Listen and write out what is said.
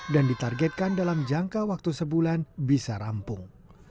dan ditargetkan dalam jangka waktu sebulan bisa rampung